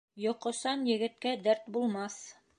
Йоҡосан егеткә дәрт булмаҫ.